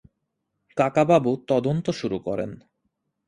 কাকাবাবু তদন্ত শুরু করেন।